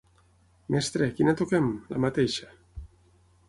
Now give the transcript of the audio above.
Mestre, quina toquem? La mateixa.